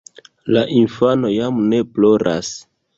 La infano jam ne ploras.